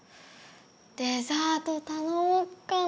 デザートたのもっかな。